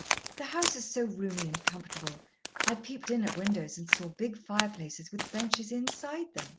The house is so roomy and comfortable I peeped in at windows and saw big fireplaces with benches inside them.